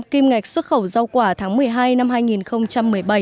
kim ngạch xuất khẩu rau quả tháng một mươi hai năm hai nghìn một mươi bảy